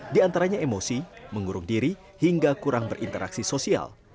diantaranya emosi mengurung diri hingga kurang berinteraksi sosial